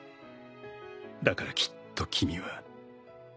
「だからきっと君は」